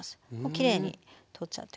きれいに取っちゃって下さい。